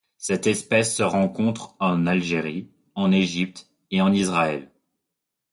Cette espèce se rencontre en Algérie, en Égypte et en Israël.